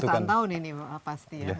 ini jutaan tahun ini pasti ya